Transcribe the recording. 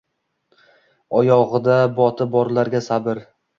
Oyogʻida boti borlarga sabr...